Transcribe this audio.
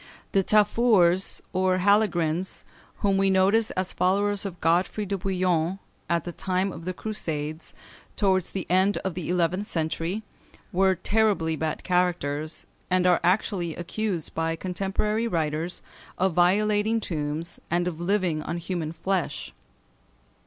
The Tafurs, or Halegrins, whom we notice as followers of Godefroy de Bouillon at the time of the Crusades, towards the end of the eleventh century, were terribly bad characters, and are actually accused by contemporary writers of violating tombs, and of living on human flesh.